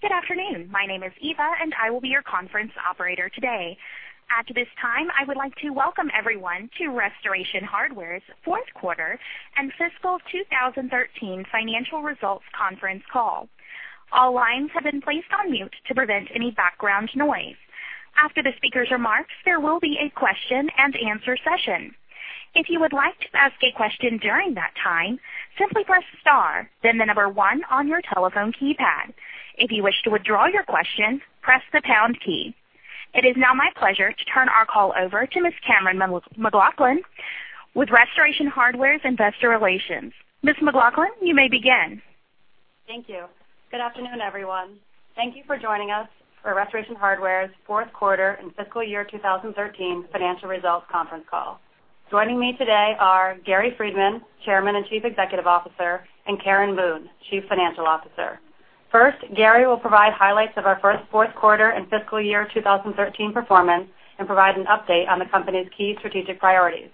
Good afternoon. My name is Eva, and I will be your conference operator today. At this time, I would like to welcome everyone to Restoration Hardware's fourth quarter and fiscal 2013 financial results conference call. All lines have been placed on mute to prevent any background noise. After the speaker's remarks, there will be a question and answer session. If you would like to ask a question during that time, simply press star, then the number one on your telephone keypad. If you wish to withdraw your question, press the pound key. It is now my pleasure to turn our call over to Ms. Cammeron McLaughlin with Restoration Hardware's investor relations. Ms. McLaughlin, you may begin. Thank you. Good afternoon, everyone. Thank you for joining us for Restoration Hardware's fourth quarter and fiscal year 2013 financial results conference call. Joining me today are Gary Friedman, Chairman and Chief Executive Officer, and Karen Boone, Chief Financial Officer. First, Gary will provide highlights of our first fourth quarter and fiscal year 2013 performance and provide an update on the company's key strategic priorities.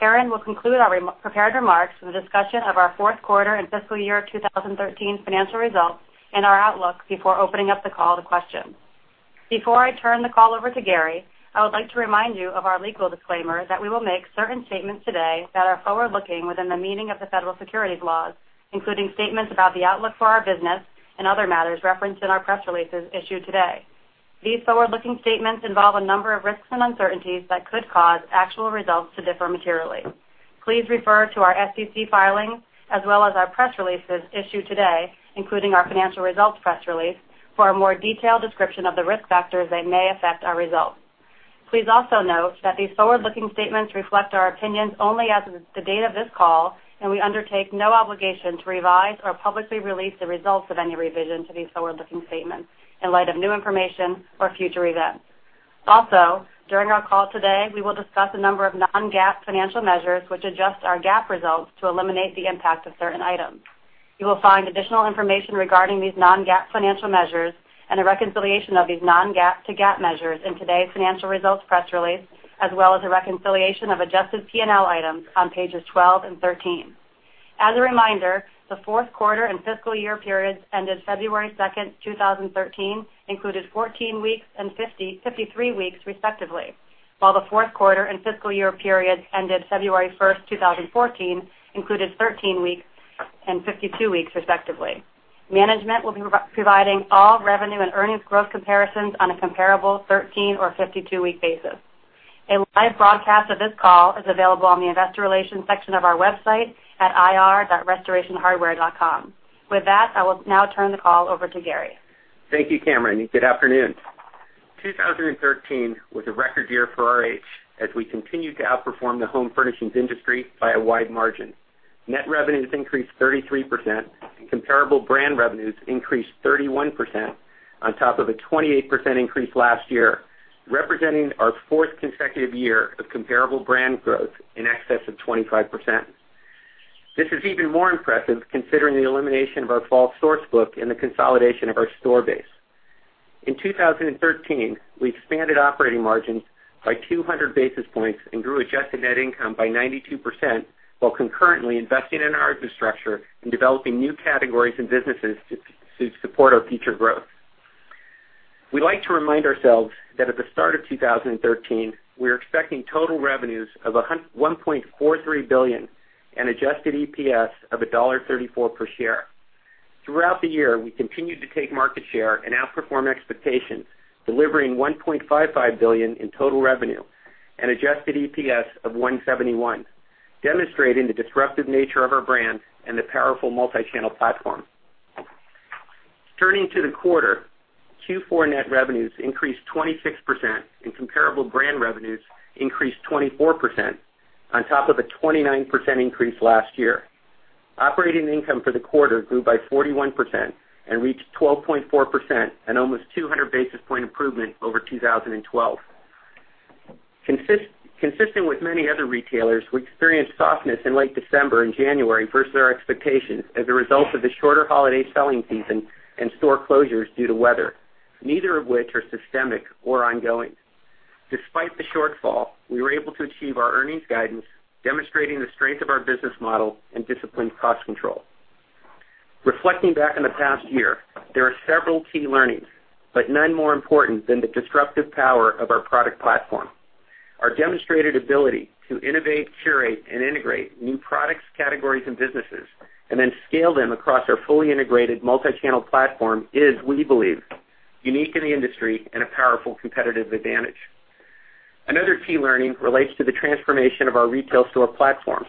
Karen will conclude our prepared remarks with a discussion of our fourth quarter and fiscal year 2013 financial results and our outlook before opening up the call to questions. Before I turn the call over to Gary, I would like to remind you of our legal disclaimer that we will make certain statements today that are forward-looking within the meaning of the federal securities laws, including statements about the outlook for our business and other matters referenced in our press releases issued today. These forward-looking statements involve a number of risks and uncertainties that could cause actual results to differ materially. Please refer to our SEC filings as well as our press releases issued today, including our financial results press release, for a more detailed description of the risk factors that may affect our results. Please also note that these forward-looking statements reflect our opinions only as of the date of this call, and we undertake no obligation to revise or publicly release the results of any revision to these forward-looking statements in light of new information or future events. Also, during our call today, we will discuss a number of non-GAAP financial measures which adjust our GAAP results to eliminate the impact of certain items. You will find additional information regarding these non-GAAP financial measures and a reconciliation of these non-GAAP to GAAP measures in today's financial results press release, as well as a reconciliation of adjusted P&L items on pages 12 and 13. As a reminder, the fourth quarter and fiscal year periods ended February 2nd, 2013, included 14 weeks and 53 weeks respectively, while the fourth quarter and fiscal year periods ended February 1st, 2014, included 13 weeks and 52 weeks respectively. Management will be providing all revenue and earnings growth comparisons on a comparable 13 or 52-week basis. A live broadcast of this call is available on the investor relations section of our website at ir.rh.com. With that, I will now turn the call over to Gary. Thank you, Cammeron. Good afternoon. 2013 was a record year for RH as we continued to outperform the home furnishings industry by a wide margin. Net revenues increased 33%, and comparable brand revenues increased 31% on top of a 28% increase last year, representing our fourth consecutive year of comparable brand growth in excess of 25%. This is even more impressive considering the elimination of our Fall Source Book and the consolidation of our store base. In 2013, we expanded operating margins by 200 basis points and grew adjusted net income by 92% while concurrently investing in our infrastructure and developing new categories and businesses to support our future growth. We like to remind ourselves that at the start of 2013, we were expecting total revenues of $1.43 billion and adjusted EPS of $1.34 per share. Throughout the year, we continued to take market share and outperform expectations, delivering $1.55 billion in total revenue and adjusted EPS of $1.71, demonstrating the disruptive nature of our brand and the powerful multi-channel platform. Turning to the quarter, Q4 net revenues increased 26%, and comparable brand revenues increased 24% on top of a 29% increase last year. Operating income for the quarter grew by 41% and reached 12.4%, an almost 200 basis point improvement over 2012. Consistent with many other retailers, we experienced softness in late December and January versus our expectations as a result of the shorter holiday selling season and store closures due to weather, neither of which are systemic or ongoing. Despite the shortfall, we were able to achieve our earnings guidance, demonstrating the strength of our business model and disciplined cost control. Reflecting back on the past year, there are several key learnings, but none more important than the disruptive power of our product platform. Our demonstrated ability to innovate, curate, and integrate new products, categories, and businesses, and then scale them across our fully integrated multi-channel platform is, we believe, unique in the industry and a powerful competitive advantage. Another key learning relates to the transformation of our retail store platforms.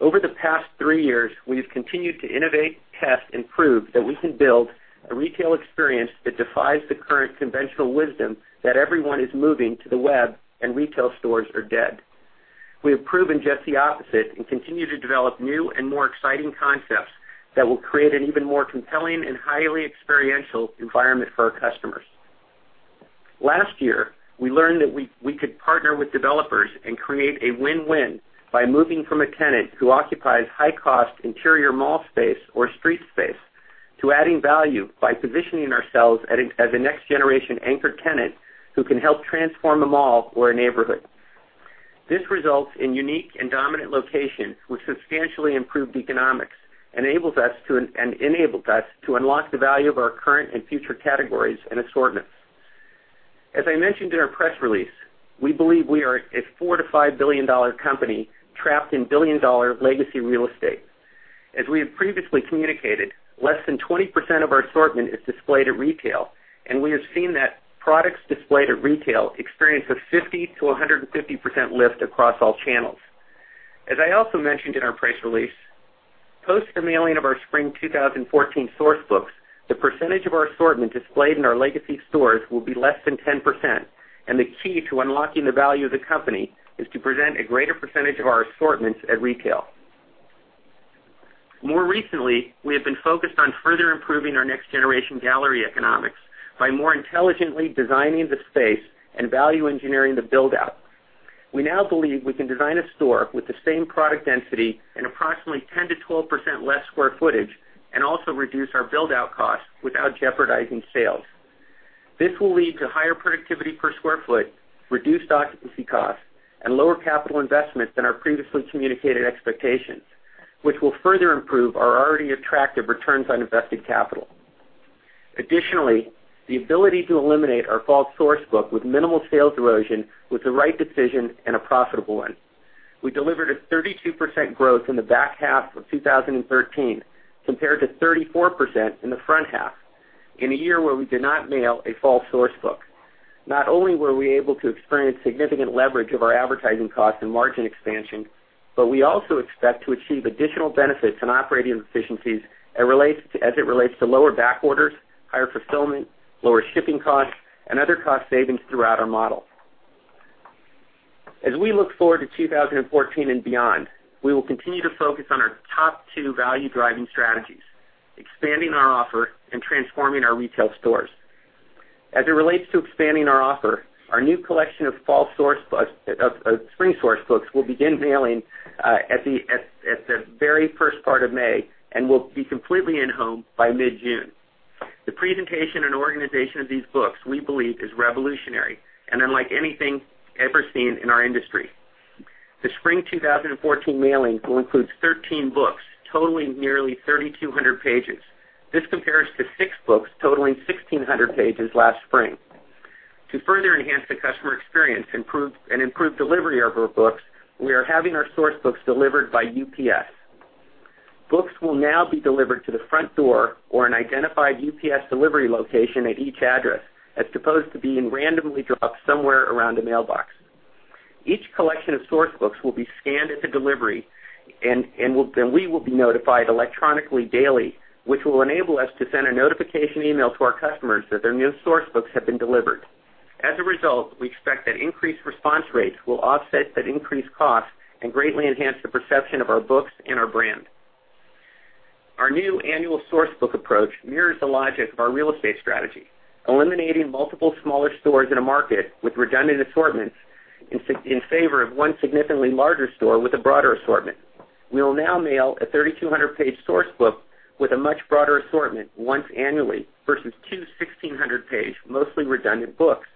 Over the past three years, we have continued to innovate, test, and prove that we can build a retail experience that defies the current conventional wisdom that everyone is moving to the web and retail stores are dead. We have proven just the opposite and continue to develop new and more exciting concepts that will create an even more compelling and highly experiential environment for our customers. Last year, we learned that we could partner with developers and create a win-win by moving from a tenant who occupies high-cost interior mall space or street space to adding value by positioning ourselves as a next-generation anchor tenant who can help transform a mall or a neighborhood. This results in unique and dominant locations with substantially improved economics and enables us to unlock the value of our current and future categories and assortments. As I mentioned in our press release, we believe we are a $4 billion-$5 billion company trapped in billion-dollar legacy real estate. As we have previously communicated, less than 20% of our assortment is displayed at retail, and we have seen that products displayed at retail experience a 50%-150% lift across all channels. As I also mentioned in our press release, post the mailing of our Spring 2014 Source Books, the percentage of our assortment displayed in our legacy stores will be less than 10%, and the key to unlocking the value of the company is to present a greater percentage of our assortments at retail. More recently, we have been focused on further improving our next-generation gallery economics by more intelligently designing the space and value engineering the build-out. We now believe we can design a store with the same product density in approximately 10%-12% less square footage, and also reduce our build-out costs without jeopardizing sales. This will lead to higher productivity per square foot, reduced occupancy costs, and lower capital investment than our previously communicated expectations, which will further improve our already attractive returns on invested capital. Additionally, the ability to eliminate our Fall Source Book with minimal sales erosion was the right decision and a profitable one. We delivered a 32% growth in the back half of 2013 compared to 34% in the front half, in a year where we did not mail a Fall Source Book. Not only were we able to experience significant leverage of our advertising costs and margin expansion, but we also expect to achieve additional benefits and operating efficiencies as it relates to lower backorders, higher fulfillment, lower shipping costs, and other cost savings throughout our model. As we look forward to 2014 and beyond, we will continue to focus on our top two value-driving strategies: expanding our offer and transforming our retail stores. As it relates to expanding our offer, our new collection of Spring Source Books will begin mailing at the very first part of May and will be completely in-home by mid-June. The presentation and organization of these books, we believe, is revolutionary and unlike anything ever seen in our industry. The Spring 2014 mailing will include 13 books totaling nearly 3,200 pages. This compares to six books totaling 1,600 pages last spring. To further enhance the customer experience and improve delivery of our books, we are having our Source Books delivered by UPS. Books will now be delivered to the front door or an identified UPS delivery location at each address, as opposed to being randomly dropped somewhere around a mailbox. Each collection of Source Books will be scanned at the delivery, and we will be notified electronically daily, which will enable us to send a notification email to our customers that their new Source Books have been delivered. As a result, we expect that increased response rates will offset that increased cost and greatly enhance the perception of our books and our brand. Our new annual Source Book approach mirrors the logic of our real estate strategy, eliminating multiple smaller stores in a market with redundant assortments in favor of one significantly larger store with a broader assortment. We will now mail a 3,200-page Source Book with a much broader assortment once annually versus two 1,600-page, mostly redundant books,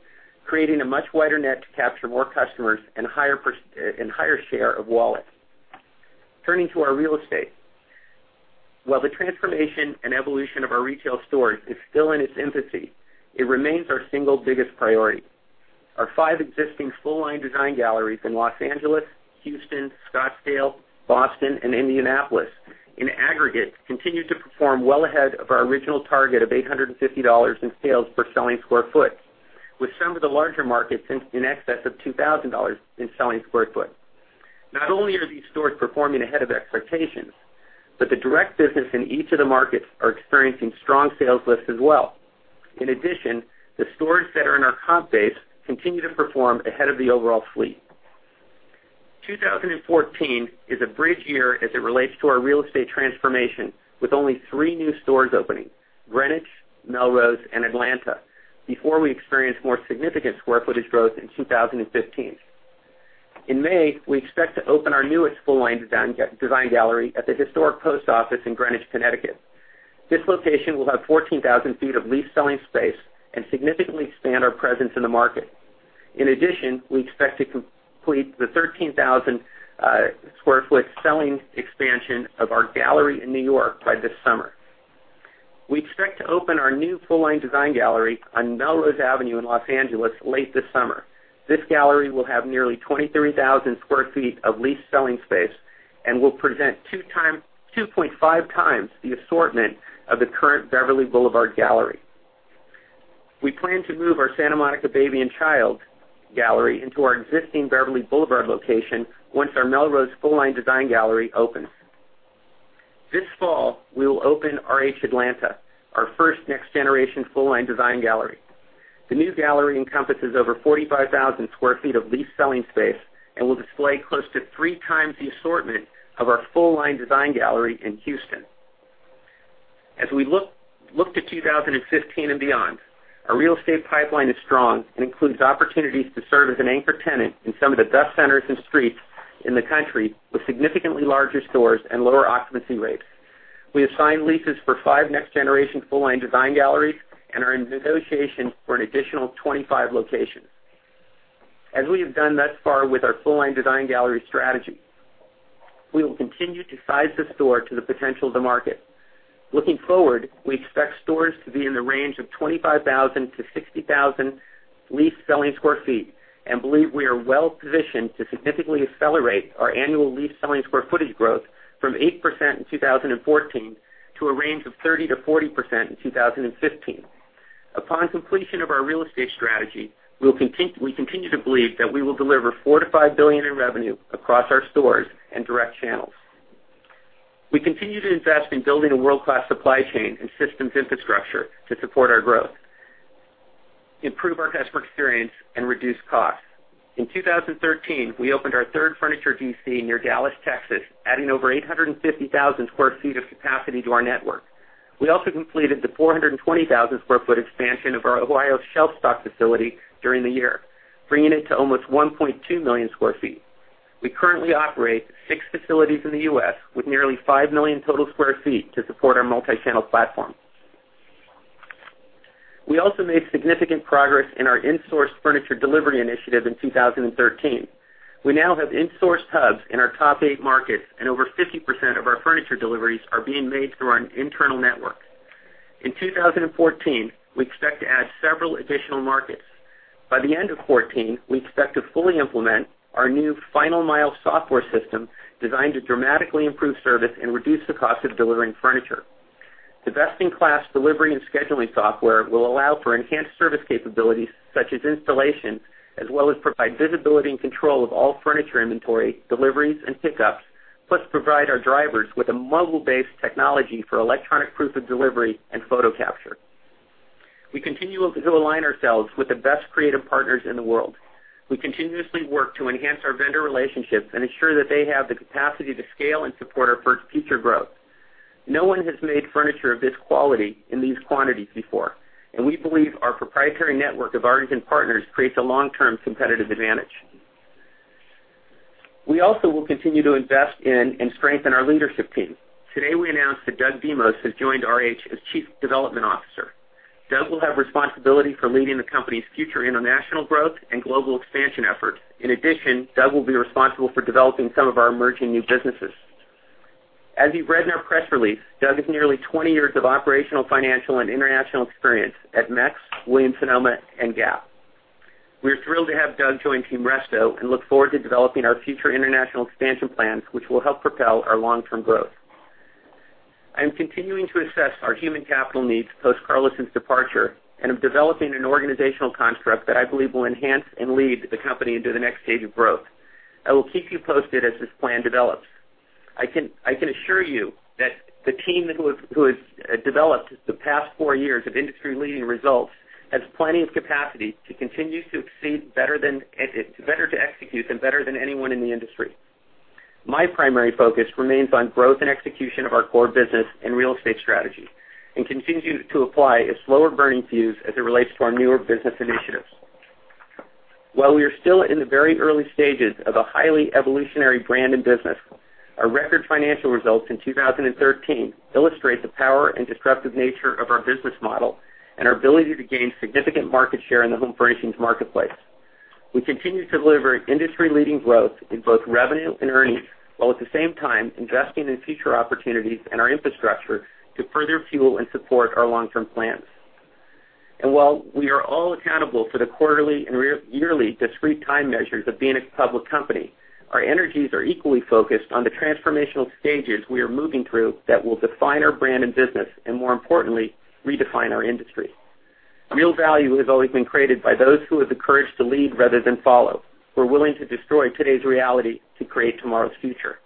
creating a much wider net to capture more customers and a higher share of wallet. Turning to our real estate. While the transformation and evolution of our retail stores is still in its infancy, it remains our single biggest priority. Our five existing full-line design galleries in Los Angeles, Houston, Scottsdale, Boston, and Indianapolis, in aggregate, continue to perform well ahead of our original target of $850 in sales per selling square foot, with some of the larger markets in excess of $2,000 in selling square foot. Not only are these stores performing ahead of expectations, but the direct business in each of the markets are experiencing strong sales lifts as well. In addition, the stores that are in our comp base continue to perform ahead of the overall fleet. 2014 is a bridge year as it relates to our real estate transformation, with only three new stores opening: Greenwich, Melrose, and Atlanta, before we experience more significant square footage growth in 2015. In May, we expect to open our newest full-line design gallery at the historic post office in Greenwich, Connecticut. This location will have 14,000 feet of lease selling space and significantly expand our presence in the market. In addition, we expect to complete the 13,000 square foot selling expansion of our gallery in New York by this summer. We expect to open our new full-line design gallery on Melrose Avenue in Los Angeles late this summer. This gallery will have nearly 23,000 square feet of lease selling space and will present 2.5 times the assortment of the current Beverly Boulevard gallery. We plan to move our Santa Monica RH Baby & Child gallery into our existing Beverly Boulevard location once our Melrose full-line design gallery opens. This fall, we will open RH Atlanta, our first next-generation full-line design gallery. The new gallery encompasses over 45,000 square feet of lease selling space and will display close to three times the assortment of our full-line design gallery in Houston. As we look to 2015 and beyond, our real estate pipeline is strong and includes opportunities to serve as an anchor tenant in some of the best centers and streets in the country with significantly larger stores and lower occupancy rates. We have signed leases for five next-generation full-line design galleries and are in negotiation for an additional 25 locations. As we have done thus far with our full-line design gallery strategy, we will continue to size the store to the potential of the market. Looking forward, we expect stores to be in the range of 25,000-60,000 leased selling square feet and believe we are well positioned to significantly accelerate our annual lease selling square footage growth from 8% in 2014 to a range of 30%-40% in 2015. Upon completion of our real estate strategy, we continue to believe that we will deliver $4 billion-$5 billion in revenue across our stores and direct channels. We continue to invest in building a world-class supply chain and systems infrastructure to support our growth, improve our customer experience, and reduce costs. In 2013, we opened our third furniture DC near Dallas, Texas, adding over 850,000 square feet of capacity to our network. We also completed the 420,000-square-foot expansion of our Ohio shelf stock facility during the year, bringing it to almost 1.2 million square feet. We currently operate six facilities in the U.S. with nearly 5 million total sq ft to support our multi-channel platform. We also made significant progress in our in-source furniture delivery initiative in 2013. We now have in-source hubs in our top eight markets, and over 50% of our furniture deliveries are being made through our internal network. In 2014, we expect to add several additional markets. By the end of 2014, we expect to fully implement our new final mile software system, designed to dramatically improve service and reduce the cost of delivering furniture. The best-in-class delivery and scheduling software will allow for enhanced service capabilities such as installation, as well as provide visibility and control of all furniture inventory, deliveries, and pickups. Plus provide our drivers with a mobile-based technology for electronic proof of delivery and photo capture. We continue to align ourselves with the best creative partners in the world. We continuously work to enhance our vendor relationships and ensure that they have the capacity to scale and support our future growth. No one has made furniture of this quality in these quantities before, and we believe our proprietary network of artisan partners creates a long-term competitive advantage. We also will continue to invest in and strengthen our leadership team. Today, we announced that Doug Devine has joined RH as Chief Development Officer. Doug will have responsibility for leading the company's future international growth and global expansion efforts. In addition, Doug will be responsible for developing some of our emerging new businesses. As you've read in our press release, Doug has nearly 20 years of operational, financial, and international experience at Macy's, Williams-Sonoma, and Gap. We are thrilled to have Doug join Team RH and look forward to developing our future international expansion plans, which will help propel our long-term growth. I am continuing to assess our human capital needs post Carlos's departure, and I'm developing an organizational construct that I believe will enhance and lead the company into the next stage of growth. I will keep you posted as this plan develops. I can assure you that the team who has developed the past four years of industry-leading results has plenty of capacity to continue to exceed to execute better than anyone in the industry. My primary focus remains on growth and execution of our core business and real estate strategy and continue to apply a slower burning fuse as it relates to our newer business initiatives. While we are still in the very early stages of a highly evolutionary brand and business, our record financial results in 2013 illustrate the power and disruptive nature of our business model and our ability to gain significant market share in the home furnishings marketplace. We continue to deliver industry-leading growth in both revenue and earnings, while at the same time investing in future opportunities and our infrastructure to further fuel and support our long-term plans. While we are all accountable for the quarterly and yearly discrete time measures of being a public company, our energies are equally focused on the transformational stages we are moving through that will define our brand and business, and more importantly, redefine our industry. Real value has always been created by those who have the courage to lead rather than follow, who are willing to destroy today's reality to create tomorrow's future.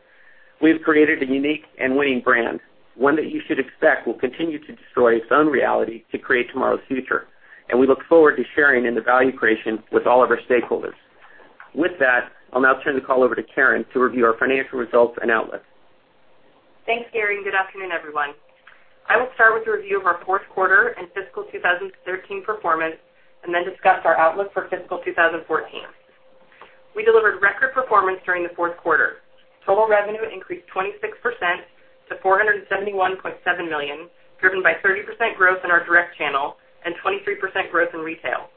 We have created a unique and winning brand, one that you should expect will continue to destroy its own reality to create tomorrow's future. We look forward to sharing in the value creation with all of our stakeholders. With that, I'll now turn the call over to Karen to review our financial results and outlook. Thanks, Gary. Good afternoon, everyone. I will start with a review of our fourth quarter, fiscal 2013 performance, then discuss our outlook for fiscal 2014. We delivered record performance during the fourth quarter. Total revenue increased 26% to $471.7 million, driven by 30% growth in our direct channel and 23% growth in retail.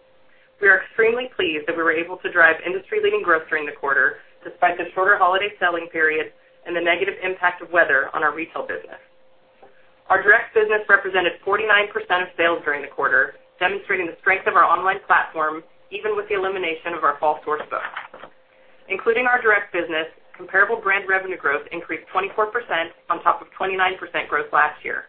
We are extremely pleased that we were able to drive industry-leading growth during the quarter despite the shorter holiday selling period and the negative impact of weather on our retail business. Our direct business represented 49% of sales during the quarter, demonstrating the strength of our online platform, even with the elimination of our Fall Source Book. Including our direct business, comparable brand revenue growth increased 24% on top of 29% growth last year.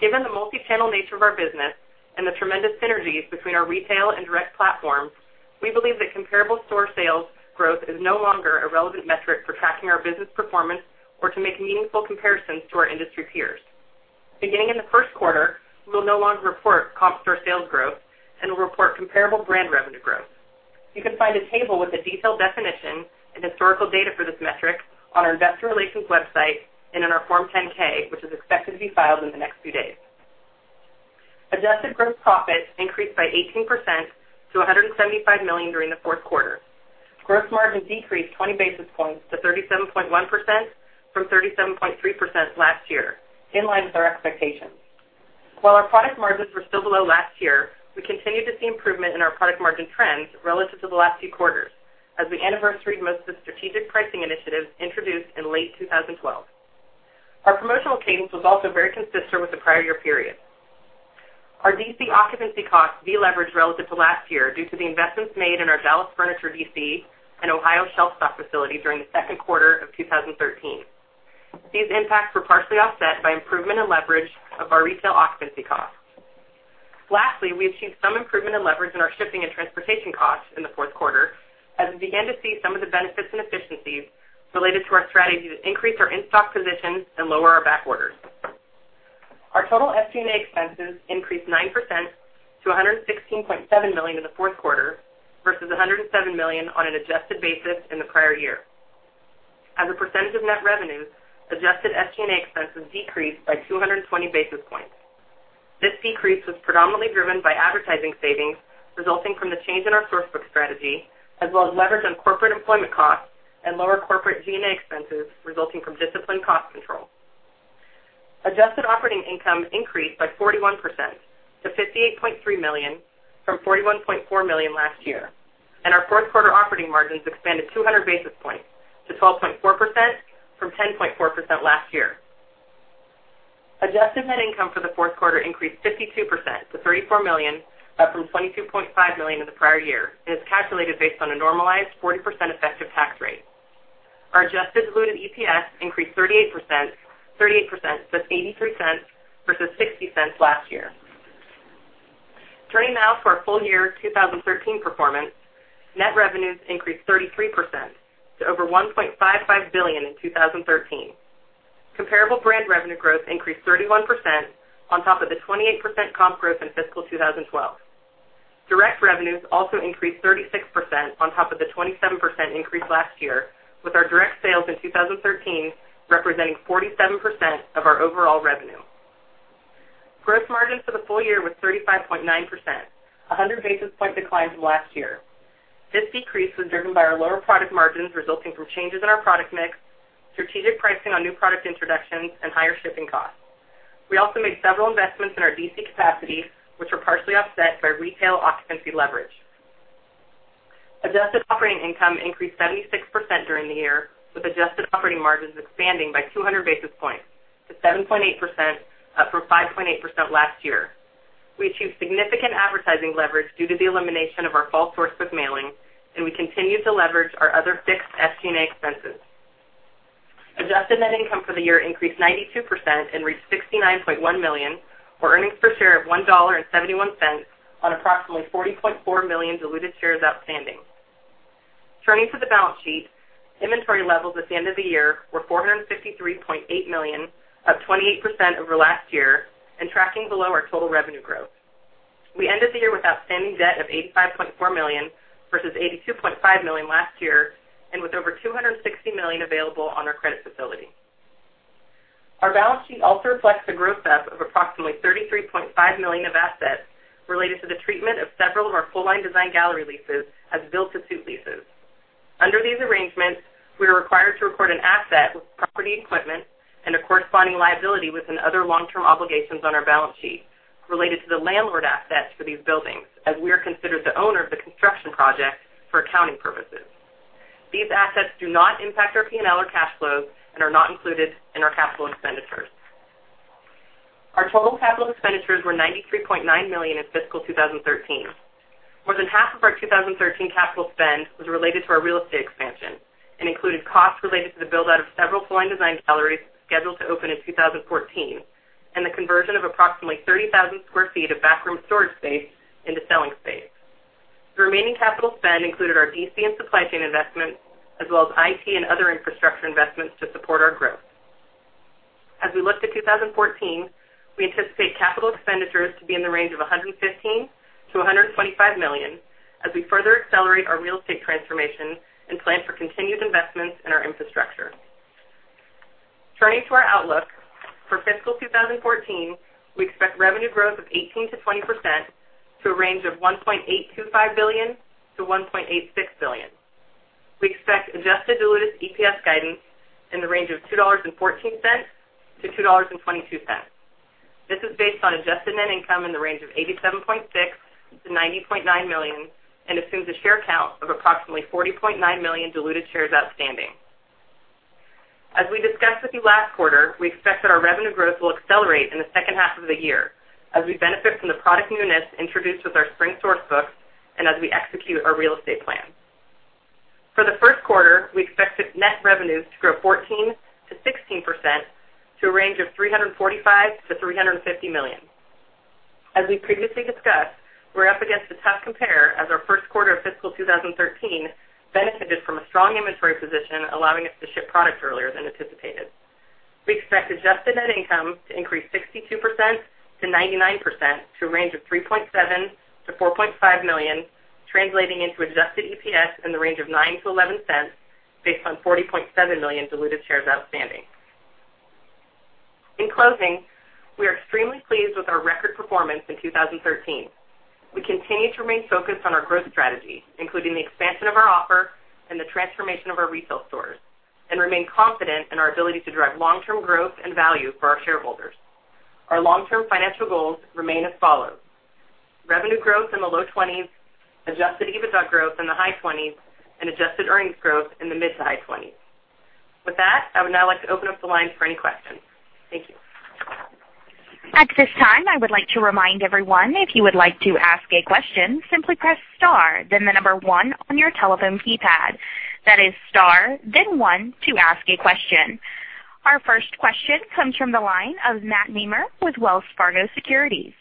Given the multi-channel nature of our business and the tremendous synergies between our retail and direct platforms, we believe that comparable store sales growth is no longer a relevant metric for tracking our business performance or to make meaningful comparisons to our industry peers. Beginning in the first quarter, we'll no longer report comp store sales growth, will report comparable brand revenue growth. You can find a table with a detailed definition and historical data for this metric on our investor relations website and in our Form 10-K, which is expected to be filed in the next few days. Adjusted gross profit increased by 18% to $175 million during the fourth quarter. Gross margin decreased 20 basis points to 37.1% from 37.3% last year, in line with our expectations. While our product margins were still below last year, we continue to see improvement in our product margin trends relative to the last two quarters as we anniversaried most of the strategic pricing initiatives introduced in late 2012. Our promotional cadence was also very consistent with the prior year period. Our DC occupancy costs deleveraged relative to last year due to the investments made in our Dallas furniture DC and Ohio shelf-stock facility during the second quarter of 2013. These impacts were partially offset by improvement, leverage of our retail occupancy costs. Lastly, we achieved some improvement, leverage in our shipping and transportation costs in the fourth quarter as we began to see some of the benefits and efficiencies related to our strategy to increase our in-stock positions, lower our backorders. Our total SG&A expenses increased 9% to $116.7 million in the fourth quarter versus $107 million on an adjusted basis in the prior year. As a percentage of net revenues, adjusted SG&A expenses decreased by 220 basis points. This decrease was predominantly driven by advertising savings resulting from the change in our Source Book strategy, as well as leverage on corporate employment costs and lower corporate G&A expenses resulting from disciplined cost control. Adjusted operating income increased by 41% to $58.3 million from $41.4 million last year, and our fourth quarter operating margins expanded 200 basis points to 12.4% from 10.4% last year. Adjusted net income for the fourth quarter increased 52% to $34 million, up from $22.5 million in the prior year, and is calculated based on a normalized 40% effective tax rate. Our adjusted diluted EPS increased 38%, it's $0.83 versus $0.60 last year. Turning now to our full year 2013 performance, net revenues increased 33% to over $1.55 billion in 2013. Comparable brand revenue growth increased 31% on top of the 28% comp growth in fiscal 2012. Direct revenues also increased 36% on top of the 27% increase last year, with our direct sales in 2013 representing 47% of our overall revenue. Gross margin for the full year was 35.9%, 100 basis point decline from last year. This decrease was driven by our lower product margins resulting from changes in our product mix, strategic pricing on new product introductions, and higher shipping costs. We also made several investments in our DC capacity, which were partially offset by retail occupancy leverage. Adjusted operating income increased 76% during the year, with adjusted operating margins expanding by 200 basis points to 7.8%, up from 5.8% last year. We achieved significant advertising leverage due to the elimination of our Fall Source Book mailing, and we continued to leverage our other fixed SG&A expenses. Adjusted net income for the year increased 92% and reached $69.1 million, or earnings per share of $1.71 on approximately 40.4 million diluted shares outstanding. Turning to the balance sheet, inventory levels at the end of the year were $453.8 million, up 28% over last year and tracking below our total revenue growth. We ended the year with outstanding debt of $85.4 million versus $82.5 million last year, and with over $260 million available on our credit facility. Our balance sheet also reflects the gross-up of approximately $33.5 million of assets related to the treatment of several of our full-line design gallery leases as build-to-suit leases. Under these arrangements, we are required to record an asset with property equipment and a corresponding liability within other long-term obligations on our balance sheet related to the landlord assets for these buildings, as we are considered the owner of the construction project for accounting purposes. These assets do not impact our P&L or cash flows and are not included in our capital expenditures. Our total capital expenditures were $93.9 million in fiscal 2013. More than half of our 2013 capital spend was related to our real estate expansion and included costs related to the build-out of several full-line design galleries scheduled to open in 2014 and the conversion of approximately 30,000 sq ft of backroom storage space into selling space. The remaining capital spend included our DC and supply chain investments, as well as IT and other infrastructure investments to support our growth. As we look to 2014, we anticipate capital expenditures to be in the range of $115 million-$125 million as we further accelerate our real estate transformation and plan for continued investments in our infrastructure. Turning to our outlook. For fiscal 2014, we expect revenue growth of 18%-20%, to a range of $1.825 billion-$1.86 billion. We expect adjusted diluted EPS guidance in the range of $2.14-$2.22. This is based on adjusted net income in the range of $87.6 million-$90.9 million and assumes a share count of approximately 40.9 million diluted shares outstanding. As we discussed with you last quarter, we expect that our revenue growth will accelerate in the second half of the year as we benefit from the product newness introduced with our Spring Source Book and as we execute our real estate plan. For the first quarter, we expect net revenues to grow 14%-16%, to a range of $345 million-$350 million. As we previously discussed, we're up against a tough compare as our first quarter of fiscal 2013 benefited from a strong inventory position, allowing us to ship product earlier than anticipated. We expect adjusted net income to increase 62%-99%, to a range of $3.7 million-$4.5 million, translating into adjusted EPS in the range of $0.09-$0.11 based on 40.7 million diluted shares outstanding. In closing, we are extremely pleased with our record performance in 2013. We continue to remain focused on our growth strategy, including the expansion of our offer and the transformation of our retail stores, and remain confident in our ability to drive long-term growth and value for our shareholders. Our long-term financial goals remain as follows: revenue growth in the low 20s, Adjusted EBITDA growth in the high 20s, and adjusted earnings growth in the mid to high 20s. With that, I would now like to open up the line for any questions. Thank you. At this time, I would like to remind everyone, if you would like to ask a question, simply press star, then the number one on your telephone keypad. That is star, then one to ask a question. Our first question comes from the line of Matt Nemer with Wells Fargo Securities.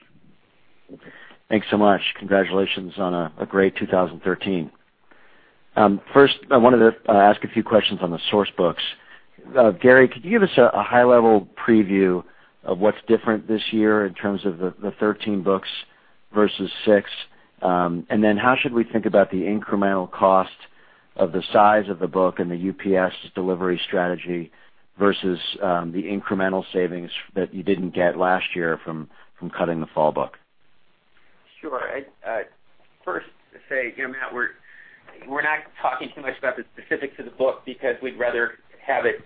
Thanks so much. Congratulations on a great 2013. First, I wanted to ask a few questions on the Source Books. Gary, could you give us a high-level preview of what's different this year in terms of the 13 books versus six? Then how should we think about the incremental cost of the size of the book and the UPS delivery strategy versus the incremental savings that you didn't get last year from cutting the fall book? Sure. First to say, Matt, we're not talking too much about the specifics of the book because we'd rather have it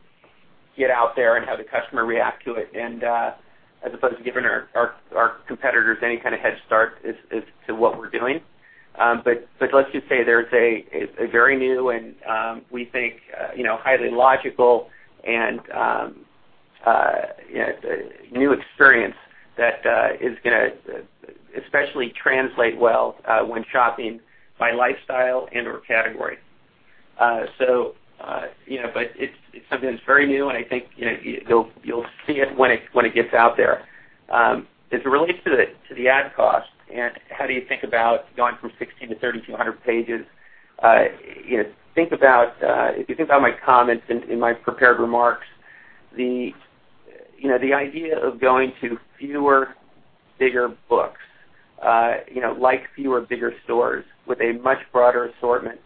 get out there and have the customer react to it as opposed to giving our competitors any kind of head start as to what we're doing. Let's just say there's a very new and, we think, highly logical and new experience that is going to especially translate well when shopping by lifestyle and/or category. It's something that's very new, and I think you'll see it when it gets out there. As it relates to the ad cost and how do you think about going from 16 to 3,200 pages. If you think about my comments in my prepared remarks, the idea of going to fewer, bigger books like fewer, bigger stores with a much broader assortment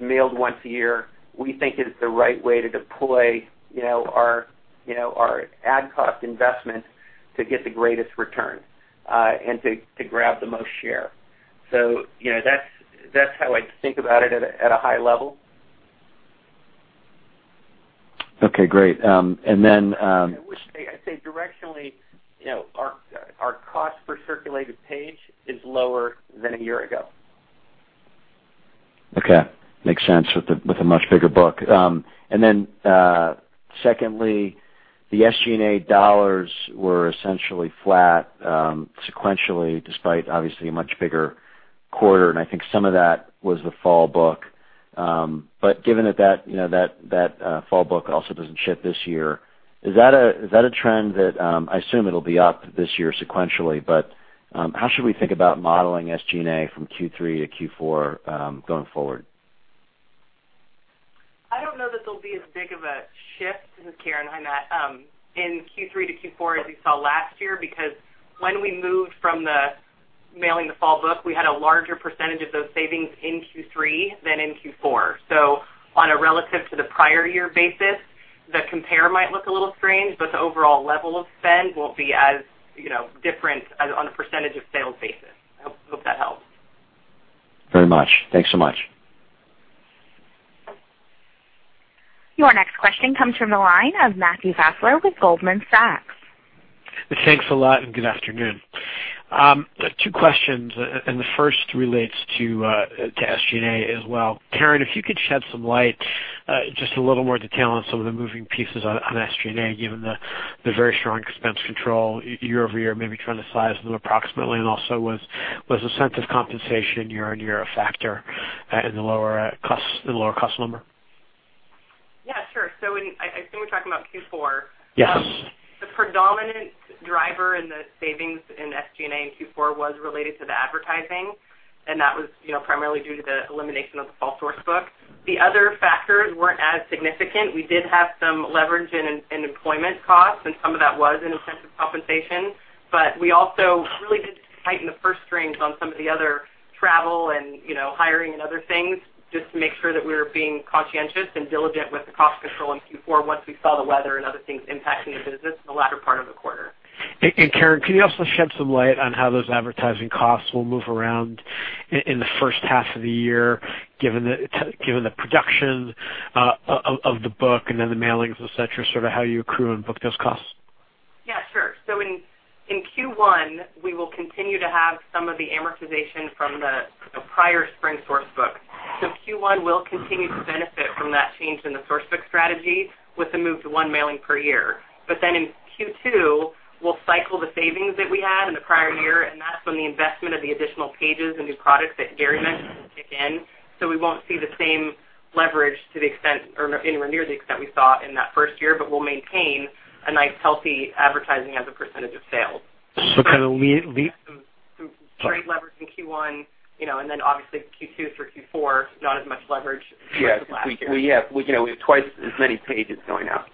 mailed once a year, we think is the right way to deploy our ad cost investment to get the greatest return and to grab the most share. That's how I think about it at a high level. Okay, great. Then- I wish to say directionally, our cost per circulated page is lower than a year ago. Okay. Makes sense with a much bigger book. Secondly, the SG&A dollars were essentially flat sequentially, despite obviously a much bigger quarter, and I think some of that was the Fall book. Given that that Fall book also doesn't ship this year, is that a trend that, I assume it'll be up this year sequentially, but how should we think about modeling SG&A from Q3 to Q4 going forward? I don't know that there'll be as big of a shift. This is Karen. Hi, Matt. In Q3 to Q4, as you saw last year, because when we moved from the mailing the Fall book, we had a larger percentage of those savings in Q3 than in Q4. On a relative to the prior year basis, the compare might look a little strange, but the overall level of spend won't be as different on a percentage of sales basis. I hope that helps. Very much. Thanks so much. Your next question comes from the line of Matthew Fassler with Goldman Sachs. Thanks a lot. Good afternoon. Two questions. The first relates to SG&A as well. Karen, if you could shed some light, just a little more detail on some of the moving pieces on SG&A, given the very strong expense control year-over-year, maybe trying to size them approximately. Also was the sense of compensation year-on-year a factor in the lower cost number? Yeah, sure. I assume we're talking about Q4. Yes. The predominant driver in the savings in SG&A in Q4 was related to the advertising. That was primarily due to the elimination of the Fall Source Book. The other factors weren't as significant. We did have some leverage in employment costs. Some of that was in incentive compensation. We also really did tighten the purse strings on some of the other travel and hiring and other things just to make sure that we were being conscientious and diligent with the cost control in Q4 once we saw the weather and other things impacting the business in the latter part of the quarter. Karen, can you also shed some light on how those advertising costs will move around in the first half of the year, given the production of the book and then the mailings, et cetera, sort of how you accrue and book those costs? Yeah, sure. In Q1, we will continue to have some of the amortization from the prior spring Source Book. Q1 will continue to benefit from that change in the Source Book strategy with the move to one mailing per year. In Q2, we'll cycle the savings that we had in the prior year, and that's when the investment of the additional pages and new products that Gary mentioned will kick in. We won't see the same leverage to the extent or anywhere near the extent we saw in that first year, but we'll maintain a nice, healthy advertising as a percentage of sales. So kind of- Some great leverage in Q1 and then obviously Q2 through Q4, not as much leverage as last year. Yeah. We have twice as many pages going out.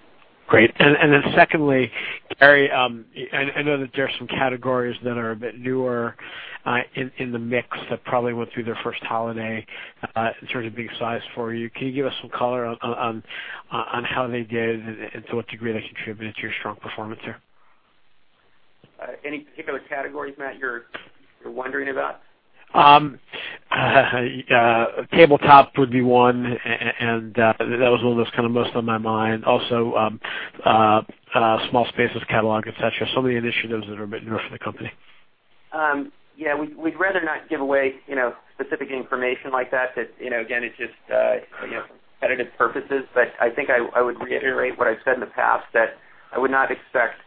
Secondly, Gary, I know that there are some categories that are a bit newer in the mix that probably went through their first holiday in terms of being sized for you. Can you give us some color on how they did and to what degree they contributed to your strong performance here? Any particular categories, Matt, you're wondering about? Tabletop would be one, and that was the one that's most on my mind. Also, small spaces catalog, et cetera. Some of the initiatives that are a bit newer for the company. Yeah, we'd rather not give away specific information like that again, it's just competitive purposes. I think I would reiterate what I've said in the past, that I would not expect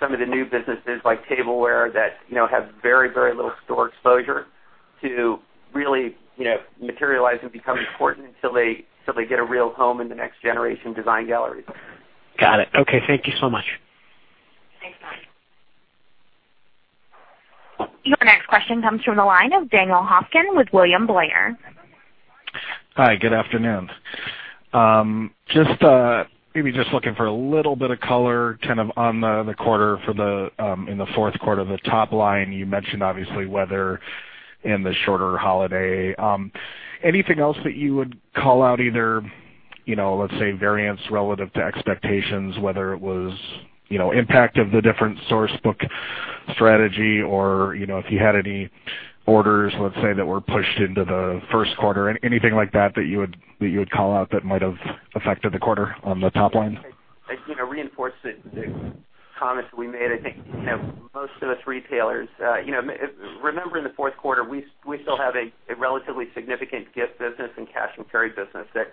some of the new businesses like tableware that have very, very little store exposure to really materialize and become important until they get a real home in the next-generation Design Galleries. Got it. Okay, thank you so much. Thanks, Matt. Your next question comes from the line of Daniel Hofkin with William Blair. Hi, good afternoon. Maybe just looking for a little bit of color on the quarter for the fourth quarter, the top line you mentioned obviously weather and the shorter holiday. Anything else that you would call out, either let's say variance relative to expectations, whether it was impact of the different source book strategy or if you had any orders, let's say, that were pushed into the first quarter. Anything like that you would call out that might have affected the quarter on the top line? I'd reinforce the comments we made. I think most of us retailers, remember in the fourth quarter, we still have a relatively significant gift business and cash and carry business that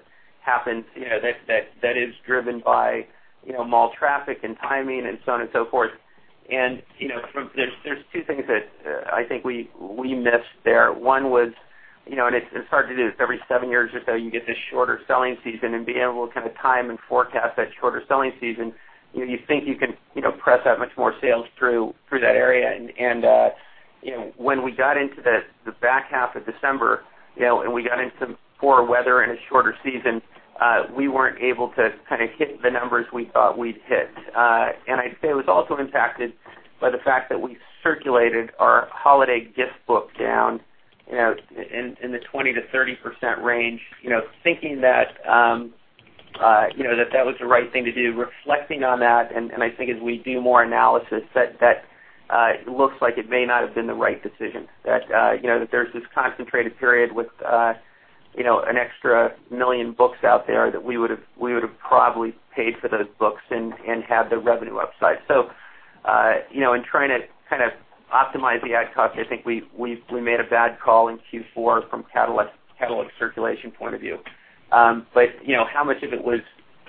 is driven by mall traffic and timing and so on and so forth. There's two things that I think we missed there. One was, it's hard to do this every seven years or so, you get this shorter selling season and be able to time and forecast that shorter selling season. You think you can press that much more sales through that area. When we got into the back half of December, and we got into poor weather and a shorter season, we weren't able to hit the numbers we thought we'd hit. I'd say it was also impacted by the fact that we circulated our holiday gift book down in the 20%-30% range, thinking that was the right thing to do. Reflecting on that, I think as we do more analysis, that it looks like it may not have been the right decision, that there's this concentrated period with an extra million books out there that we would've probably paid for those books and had the revenue upside. In trying to optimize the ad copy, I think we made a bad call in Q4 from catalog circulation point of view. How much of it was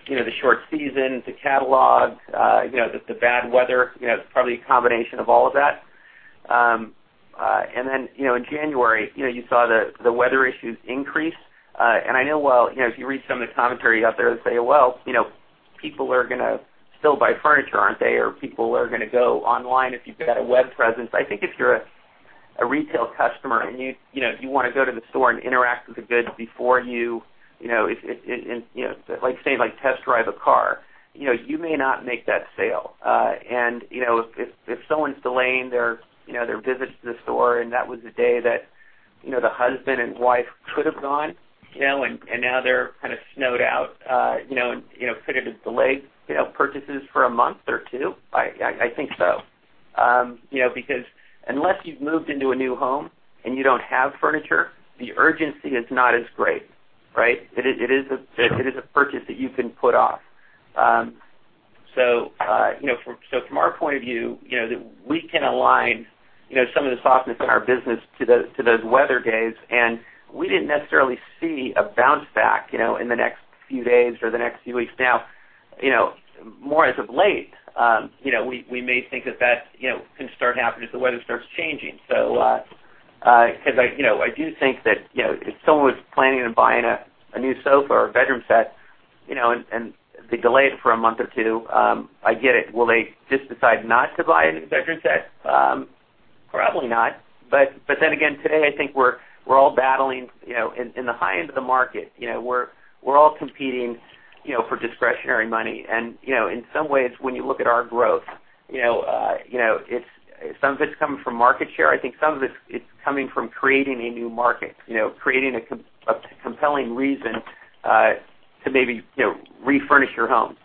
the short season, the catalog, the bad weather? It's probably a combination of all of that. In January, you saw the weather issues increase. I know, if you read some of the commentary out there that say, "Well, people are going to still buy furniture, aren't they?" "People are going to go online if you've got a web presence." I think if you're a retail customer and you want to go to the store and interact with the goods before you, say test drive a car, you may not make that sale. If someone's delaying their visit to the store and that was a day that the husband and wife could have gone, and now they're snowed out, could it have delayed purchases for a month or two? I think so. Because unless you've moved into a new home and you don't have furniture, the urgency is not as great, right? It is a purchase that you can put off. From our point of view, we can align some of the softness in our business to those weather days, and we didn't necessarily see a bounce back in the next few days or the next few weeks. More as of late, we may think that that can start happening as the weather starts changing. I do think that if someone was planning on buying a new sofa or a bedroom set, and they delay it for a month or two, I get it. Will they just decide not to buy a new bedroom set? Probably not. Again, today, I think we're all battling in the high end of the market. We're all competing for discretionary money. In some ways, when you look at our growth, some of it's coming from market share. I think some of it's coming from creating a new market, creating a compelling reason to maybe refurnish your home.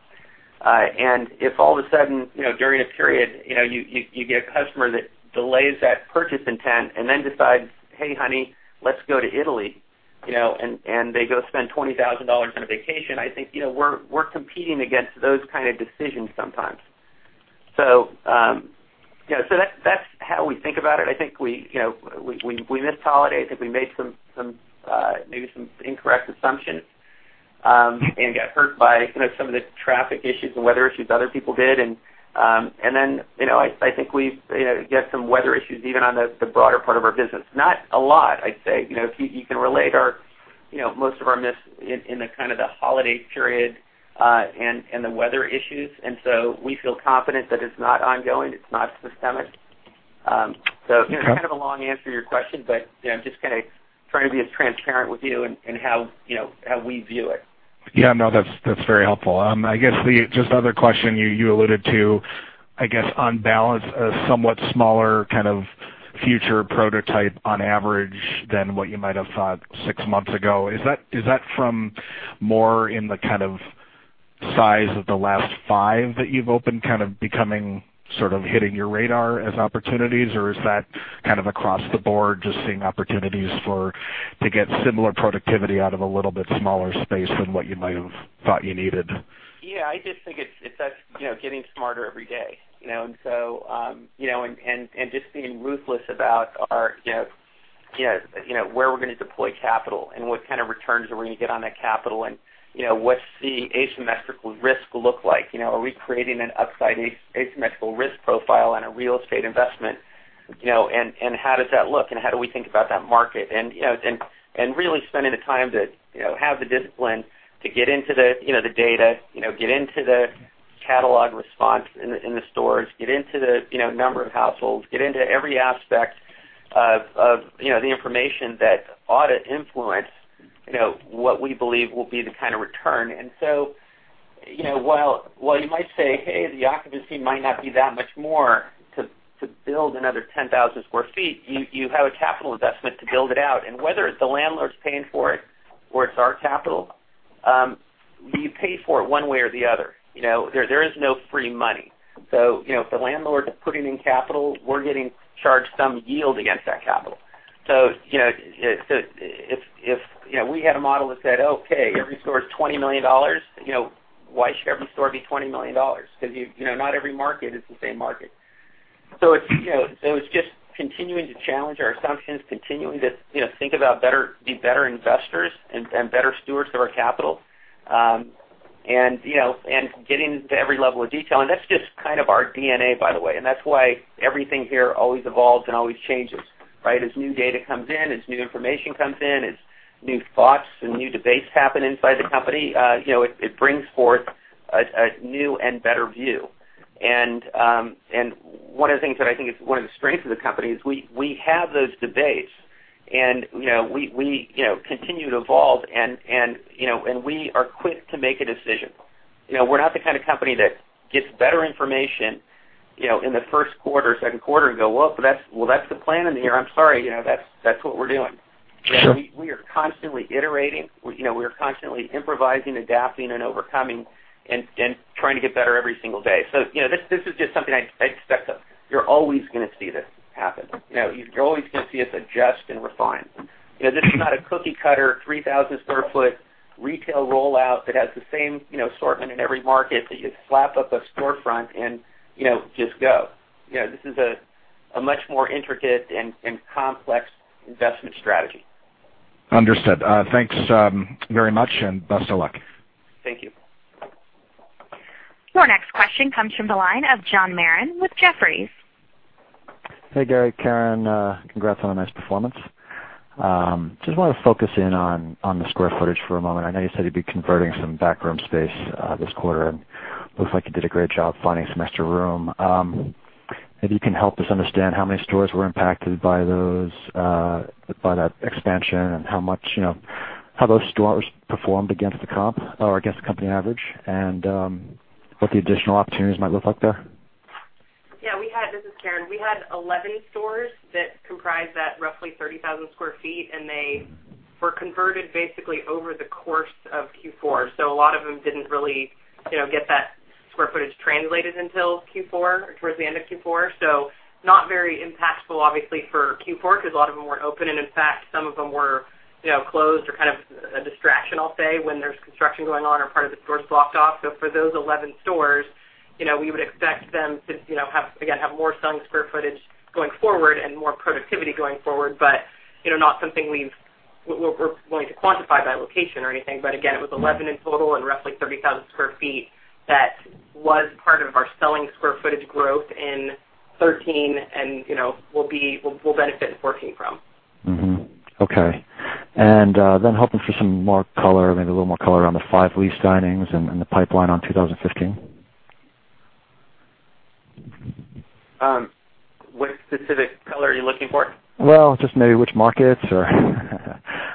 If all of a sudden, during a period, you get a customer that delays that purchase intent and then decides, "Hey, honey, let's go to Italy," and they go spend $20,000 on a vacation, I think we're competing against those kind of decisions sometimes. That's how we think about it. I think we missed holiday because we made maybe some incorrect assumptions and got hurt by some of the traffic issues and weather issues other people did. Then, I think we get some weather issues even on the broader part of our business. Not a lot, I'd say. If you can relate most of our miss in the holiday period and the weather issues. We feel confident that it's not ongoing, it's not systemic. Kind of a long answer to your question, but I'm just trying to be as transparent with you in how we view it. Yeah, no, that's very helpful. I guess the just other question you alluded to, I guess, on balance, a somewhat smaller kind of future prototype on average than what you might have thought six months ago. Is that from more in the kind of size of the last five that you've opened, kind of becoming, sort of hitting your radar as opportunities? Or is that kind of across the board just seeing opportunities to get similar productivity out of a little bit smaller space than what you might have thought you needed? I just think it's us getting smarter every day. Just being ruthless about where we're going to deploy capital and what kind of returns are we going to get on that capital, and what's the asymmetrical risk look like. Are we creating an upside asymmetrical risk profile on a real estate investment? How does that look and how do we think about that market? Really spending the time to have the discipline to get into the data, get into the catalog response in the stores, get into the number of households, get into every aspect of the information that ought to influence what we believe will be the kind of return. While you might say, "Hey, the occupancy might not be that much more to build another 10,000 sq ft," you have a capital investment to build it out. Whether the landlord's paying for it or it's our capital, we pay for it one way or the other. There is no free money. If the landlord's putting in capital, we're getting charged some yield against that capital. If we had a model that said, "Okay, every store is $20 million," why should every store be $20 million? Because not every market is the same market. It's just continuing to challenge our assumptions, continuing to think about being better investors and better stewards of our capital, and getting to every level of detail. That's just kind of our DNA, by the way. That's why everything here always evolves and always changes. Right? As new data comes in, as new information comes in, as new thoughts and new debates happen inside the company, it brings forth a new and better view. One of the things that I think is one of the strengths of the company is we have those debates, and we continue to evolve, and we are quick to make a decision. We're not the kind of company that gets better information in the first quarter, second quarter, and go, "Well, that's the plan in the year. I'm sorry, that's what we're doing. Sure. We are constantly iterating. We are constantly improvising and adapting and overcoming and trying to get better every single day. This is just something I expect of. You're always going to see this happen. You're always going to see us adjust and refine. This is not a cookie-cutter 3,000 sq ft retail rollout that has the same assortment in every market that you slap up a storefront and just go. This is a much more intricate and complex investment strategy. Understood. Thanks very much and best of luck. Thank you. Your next question comes from the line of John Marren with Jefferies. Hey, Gary, Karen, congrats on a nice performance. I just wanted to focus in on the square footage for a moment. I know you said you'd be converting some backroom space this quarter, and looks like you did a great job finding some extra room. If you can help us understand how many stores were impacted by that expansion and how those stores performed against the comp or against the company average, and what the additional opportunities might look like there. Yeah. This is Karen. We had 11 stores that comprised that roughly 30,000 sq ft, and they were converted basically over the course of Q4. A lot of them didn't really get that square footage translated until Q4 or towards the end of Q4. Not very impactful, obviously, for Q4 because a lot of them weren't open, and in fact, some of them were closed or kind of a distraction, I'll say, when there's construction going on or part of the store's blocked off. For those 11 stores, we would expect them to, again, have more selling square footage going forward and more productivity going forward. Not something we're going to quantify by location or anything. Again, it was 11 in total and roughly 30,000 sq ft. That was part of our selling square footage growth in 2013 and we'll benefit in 2014 from. Okay. Hoping for some more color, maybe a little more color on the five lease signings and the pipeline on 2015. What specific color are you looking for? Well, just maybe which markets or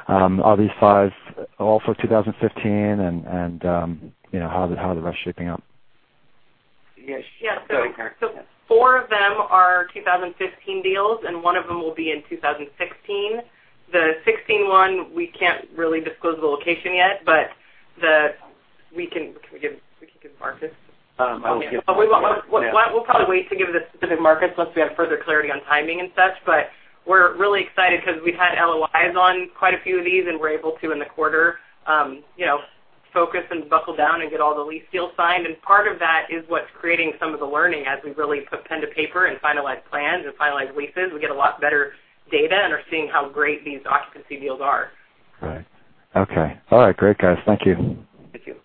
are these five all for 2015 and how are the rest shaping up? Yes. Yeah. Four of them are 2015 deals, and one of them will be in 2016. The 2016 one, we can't really disclose the location yet, but we can give markets. I'll give- We'll probably wait to give the specific markets once we have further clarity on timing and such. We're really excited because we've had LOIs on quite a few of these, and we're able to in the quarter focus and buckle down and get all the lease deals signed. Part of that is what's creating some of the learning as we really put pen to paper and finalize plans and finalize leases. We get a lot better data and are seeing how great these occupancy deals are. Right. Okay. All right. Great, guys. Thank you. Thank you.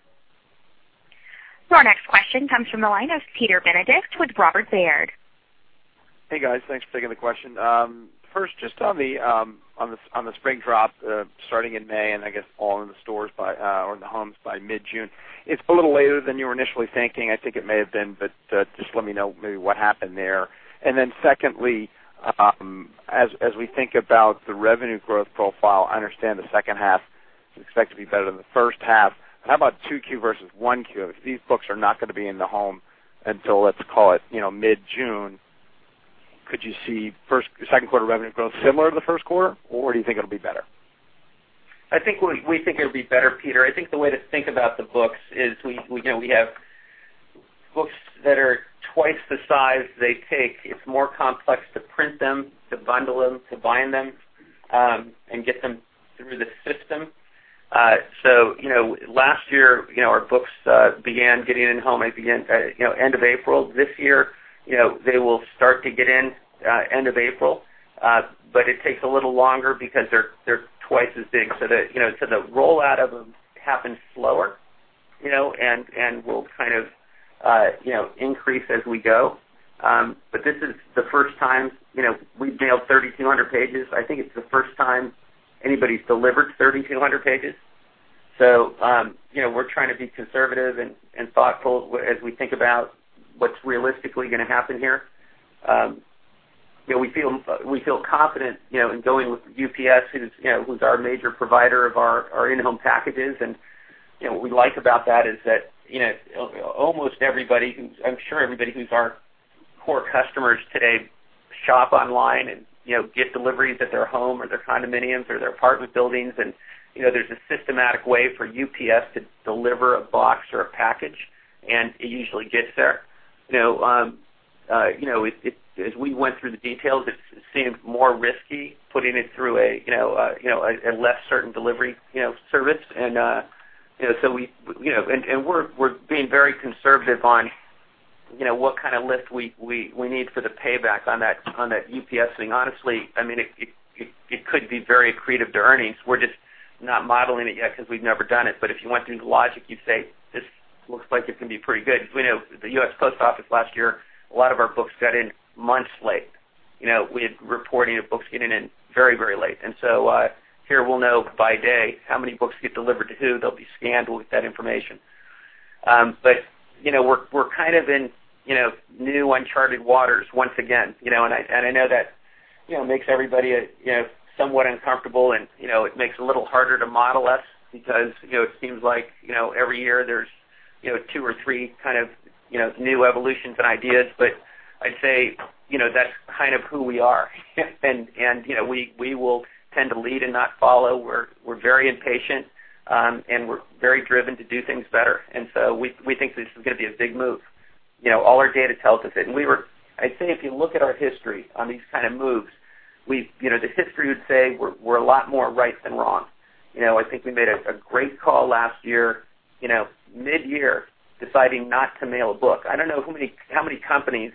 Our next question comes from the line of Peter Benedict with Robert Baird. Hey, guys. Thanks for taking the question. First, just on the spring drop starting in May, I guess all in the stores or in the homes by mid-June. It's a little later than you were initially thinking. I think it may have been, but just let me know maybe what happened there. Secondly, as we think about the revenue growth profile, I understand the second half Expect to be better than the first half. How about 2Q versus 1Q? These books are not going to be in the home until, let's call it, mid-June. Could you see second quarter revenue growth similar to the first quarter, or do you think it'll be better? I think we think it'll be better, Peter. I think the way to think about the books is we have books that are twice the size they take. It's more complex to print them, to bundle them, to bind them, and get them through the system. Last year, our books began getting in-home at the end of April. This year, they will start to get in end of April. It takes a little longer because they're twice as big. The rollout of them happens slower, and will increase as we go. This is the first time we've mailed 3,200 pages. I think it's the first time anybody's delivered 3,200 pages. We're trying to be conservative and thoughtful as we think about what's realistically going to happen here. We feel confident in going with UPS, who's our major provider of our in-home packages. What we like about that is that almost everybody, I'm sure everybody who's our core customers today, shop online and get deliveries at their home or their condominiums or their apartment buildings. There's a systematic way for UPS to deliver a box or a package, and it usually gets there. As we went through the details, it seemed more risky putting it through a less certain delivery service. We're being very conservative on what kind of lift we need for the payback on that UPS thing. Honestly, it could be very accretive to earnings. We're just not modeling it yet because we've never done it. If you went through the logic, you'd say, "This looks like it can be pretty good." The United States Post Office last year, a lot of our books got in months late. We had reporting of books getting in very late. Here we'll know by day how many books get delivered to who. They'll be scanned with that information. We're in new uncharted waters once again. I know that makes everybody somewhat uncomfortable, and it makes it a little harder to model us because it seems like every year there's two or three kind of new evolutions and ideas. I'd say that's kind of who we are. We will tend to lead and not follow. We're very impatient, and we're very driven to do things better. We think this is going to be a big move. All our data tells us. I'd say if you look at our history on these kind of moves, the history would say we're a lot more right than wrong. I think we made a great call last year, mid-year, deciding not to mail a book. I don't know how many companies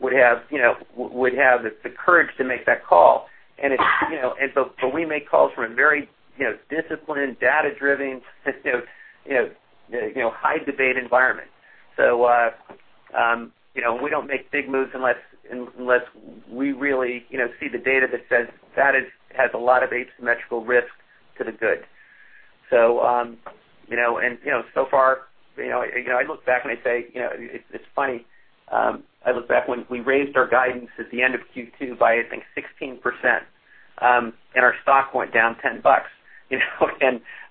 would have the courage to make that call. We make calls from a very disciplined, data-driven, high debate environment. We don't make big moves unless we really see the data that says that it has a lot of asymmetrical risk to the good. So far, I look back and I say, it's funny. I look back when we raised our guidance at the end of Q2 by, I think, 16%, and our stock went down $10.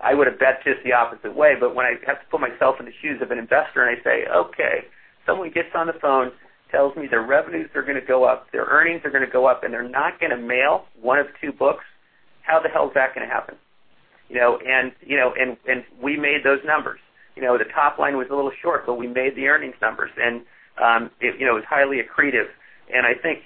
I would have bet just the opposite way. When I have to put myself in the shoes of an investor, I say, "Okay, someone gets on the phone, tells me their revenues are going to go up, their earnings are going to go up, and they're not going to mail one of two books. How the hell is that going to happen?" We made those numbers. The top line was a little short, but we made the earnings numbers. It was highly accretive. I think,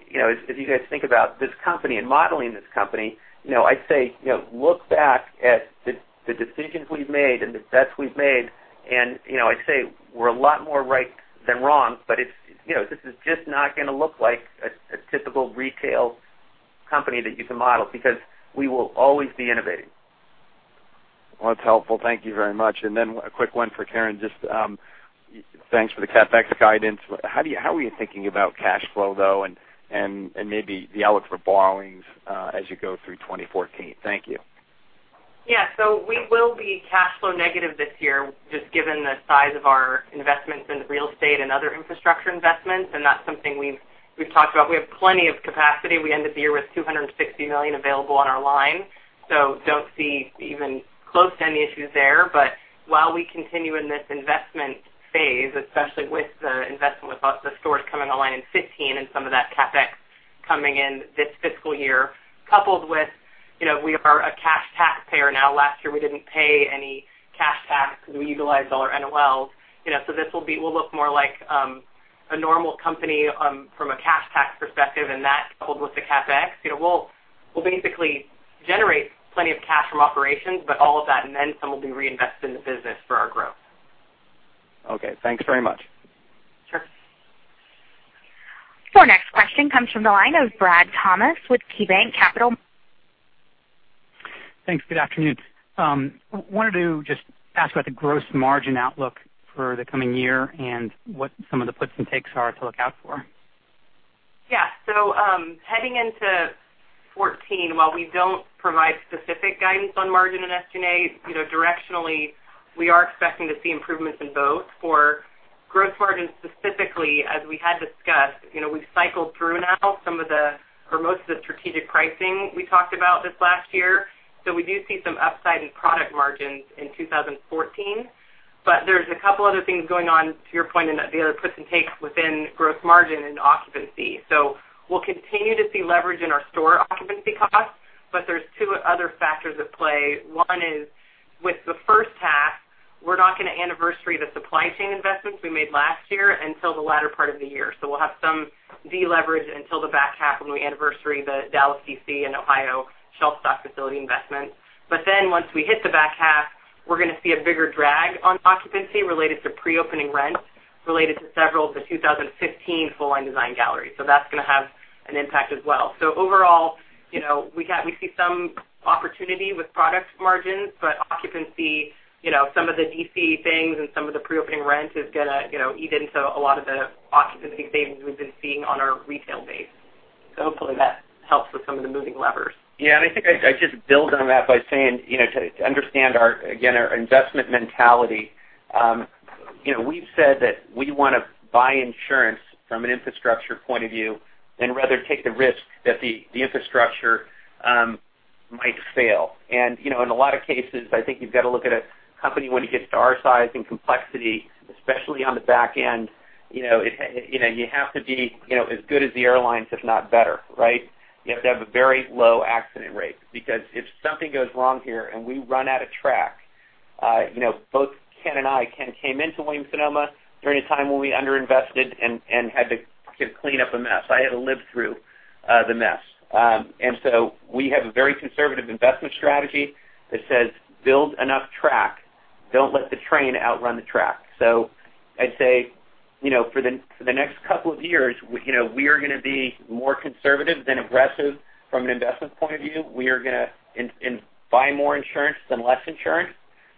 as you guys think about this company and modeling this company, I'd say look back at the decisions we've made and the bets we've made, and I'd say we're a lot more right than wrong. This is just not going to look like a typical retail company that you can model because we will always be innovating. Well, that's helpful. Thank you very much. Then a quick one for Karen. Thanks for the CapEx guidance. How are you thinking about cash flow, though, and maybe the outlook for borrowings as you go through 2014? Thank you. We will be cash flow negative this year, just given the size of our investments in real estate and other infrastructure investments, and that's something we've talked about. We have plenty of capacity. We ended the year with $260 million available on our line. Don't see even close to any issues there. While we continue in this investment phase, especially with the investment with the stores coming online in 2015 and some of that CapEx coming in this fiscal year, coupled with we are a cash taxpayer now. Last year, we didn't pay any cash tax because we utilized all our NOLs. This will look more like a normal company from a cash tax perspective, and that coupled with the CapEx. We'll basically generate plenty of cash from operations, but all of that and then some will be reinvested in the business for our growth. Okay. Thanks very much. Sure. Our next question comes from the line of Brad Thomas with KeyBanc Capital. I wanted to just ask about the gross margin outlook for the coming year and what some of the puts and takes are to look out for. Yeah. Heading into 2014, while we don't provide specific guidance on margin and SG&A, directionally, we are expecting to see improvements in both. For gross margin specifically, as we had discussed, we've cycled through now most of the strategic pricing we talked about this last year. We do see some upside in product margins in 2014. There's a couple other things going on to your point in that there are puts and takes within gross margin and occupancy. We'll continue to see leverage in our store occupancy costs, but there's two other factors at play. One is with the first half, we're not going to anniversary the supply chain investments we made last year until the latter part of the year. We'll have some deleverage until the back half when we anniversary the Dallas DC and Ohio shelf-stock facility investments. Once we hit the back half, we're going to see a bigger drag on occupancy related to pre-opening rents, related to several of the 2015 full-line design galleries. That's going to have an impact as well. Overall, we see some opportunity with product margins, but occupancy, some of the DC things and some of the pre-opening rent is going to eat into a lot of the occupancy savings we've been seeing on our retail base. Hopefully that helps with some of the moving levers. I think I'd just build on that by saying to understand, again, our investment mentality. We've said that we want to buy insurance from an infrastructure point of view and rather take the risk that the infrastructure might fail. In a lot of cases, I think you've got to look at a company when it gets to our size and complexity, especially on the back end, you have to be as good as the airlines, if not better, right? You have to have a very low accident rate, because if something goes wrong here and we run out of track, both Ken and I, Ken came into Williams-Sonoma during a time when we under-invested and had to clean up a mess. I had to live through the mess. We have a very conservative investment strategy that says, "Build enough track. Don't let the train outrun the track." I'd say, for the next couple of years, we are going to be more conservative than aggressive from an investment point of view. We are going to buy more insurance than less insurance,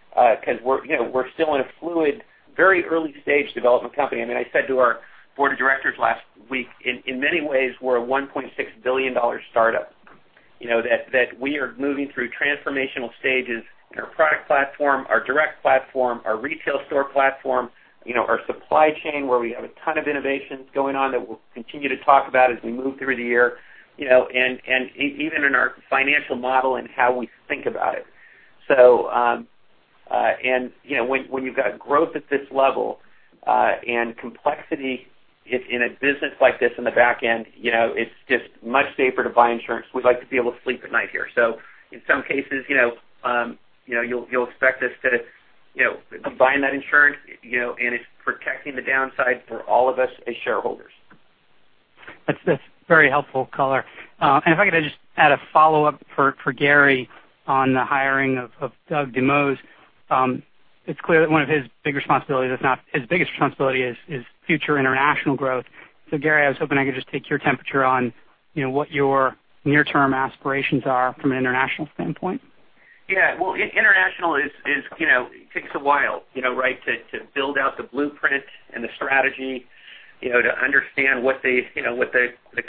because we're still in a fluid, very early stage development company. I said to our board of directors last week, in many ways, we're a $1.6 billion startup. We are moving through transformational stages in our product platform, our direct platform, our retail store platform, our supply chain, where we have a ton of innovations going on that we'll continue to talk about as we move through the year, and even in our financial model and how we think about it. When you've got growth at this level and complexity in a business like this in the back end, it's just much safer to buy insurance. We like to be able to sleep at night here. In some cases, you'll expect us to combine that insurance, and it's protecting the downside for all of us as shareholders. That's very helpful color. If I could just add a follow-up for Gary on the hiring of Doug Devine. It's clear that one of his big responsibilities, if not his biggest responsibility, is future international growth. Gary, I was hoping I could just take your temperature on what your near-term aspirations are from an international standpoint. Yeah. Well, international takes a while to build out the blueprint and the strategy, to understand what the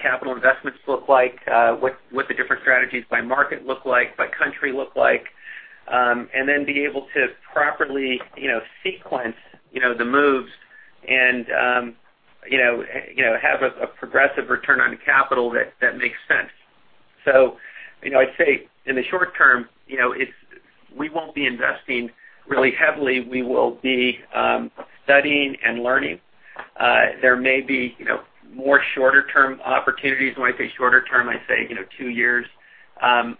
capital investments look like, what the different strategies by market look like, by country look like, and then be able to properly sequence the moves and have a progressive return on capital that makes sense. I'd say in the short term, we won't be investing really heavily. We will be studying and learning. There may be more shorter-term opportunities. When I say shorter term, I say 2 years. I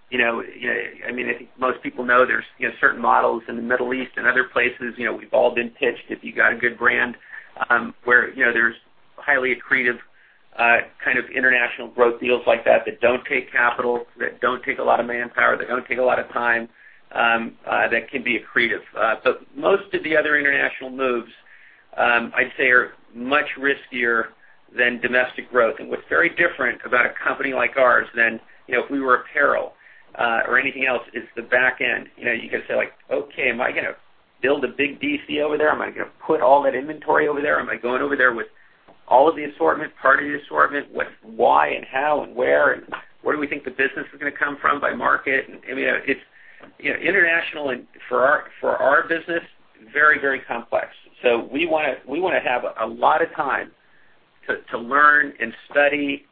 think most people know there's certain models in the Middle East and other places. We've all been pitched if you got a good brand, where there's highly accretive kind of international growth deals like that don't take capital, that don't take a lot of manpower, that don't take a lot of time, that can be accretive. Most of the other international moves, I'd say, are much riskier than domestic growth. What's very different about a company like ours than if we were apparel or anything else, is the back end. You could say, like, "Okay, am I going to build a big DC over there?" Am I going to put all that inventory over there? Am I going over there with all of the assortment, part of the assortment? Why and how and where? Where do we think the business is going to come from by market? International for our business, very complex. We want to have a lot of time to learn and study,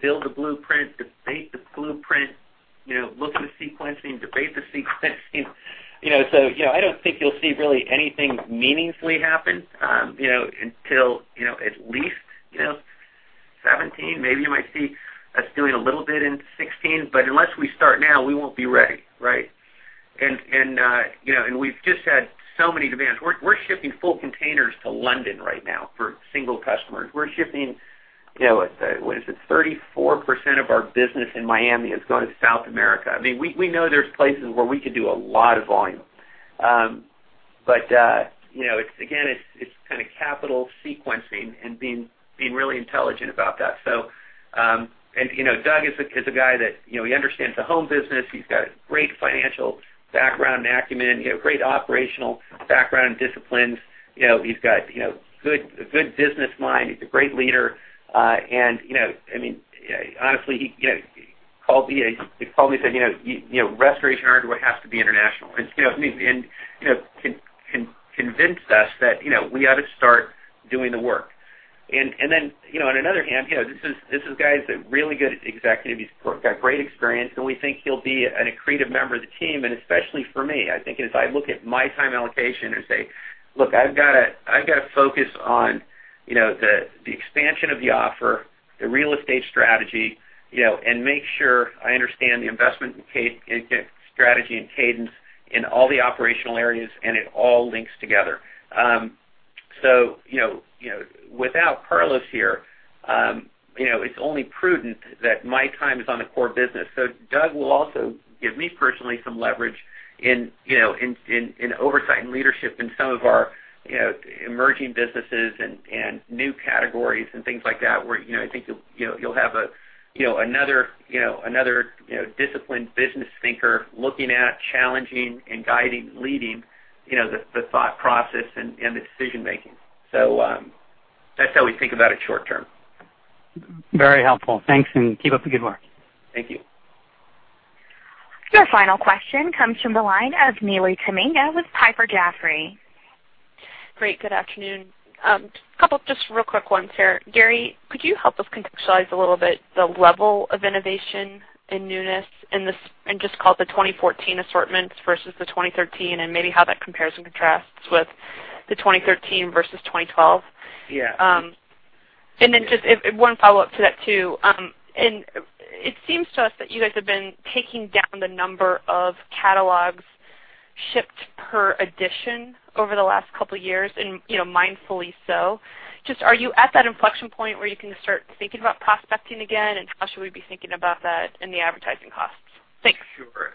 build a blueprint, debate the blueprint, look at the sequencing, debate the sequencing. I don't think you'll see really anything meaningfully happen until at least 2017. Maybe you might see us doing a little bit in 2016. Unless we start now, we won't be ready, right? We've just had so many demands. We're shipping full containers to London right now for single customers. We're shipping, what is it? 34% of our business in Miami is going to South America. We know there's places where we could do a lot of volume. Again, it's capital sequencing and being really intelligent about that. Doug is a guy that, he understands the home business. He's got a great financial background and acumen, great operational background and disciplines. He's got a good business mind. He's a great leader. Honestly, he called me and said, "Restoration Hardware has to be international." Convinced us that we ought to start doing the work. Then, on another hand, this guy's a really good executive. He's got great experience, and we think he'll be an accretive member of the team, and especially for me. I think as I look at my time allocation and say, "Look, I've got to focus on the expansion of the offer, the real estate strategy, and make sure I understand the investment strategy and cadence in all the operational areas, and it all links together." Without Carlos here, it's only prudent that my time is on the core business. Doug will also give me personally some leverage in oversight and leadership in some of our emerging businesses and new categories and things like that, where I think you'll have another disciplined business thinker looking at challenging and guiding, leading the thought process and the decision making. That's how we think about it short term. Very helpful. Thanks, and keep up the good work. Thank you. Your final question comes from the line of Neely Tamminga with Piper Jaffray. Great. Good afternoon. Just a couple of just real quick ones here. Gary, could you help us contextualize a little bit the level of innovation and newness in, just call it the 2014 assortments versus the 2013, and maybe how that compares and contrasts with the 2013 versus 2012? Yeah. Just one follow-up to that, too. It seems to us that you guys have been taking down the number of catalogs shipped per edition over the last couple of years, and mindfully so. Are you at that inflection point where you can start thinking about prospecting again, and how should we be thinking about that in the advertising costs? Thanks. Sure.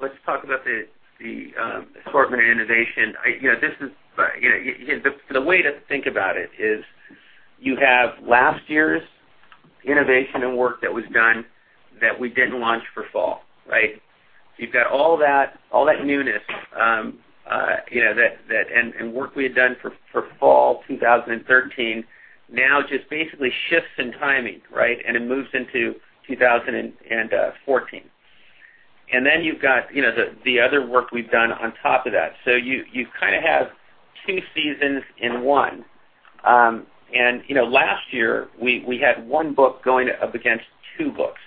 Let's talk about the assortment and innovation. The way to think about it is you have last year's innovation and work that was done that we didn't launch for fall, right? You've got all that newness and work we had done for fall 2013 now just basically shifts in timing, right? It moves into 2014. You've got the other work we've done on top of that. You kind of have two seasons in one. Last year, we had one book going up against two books.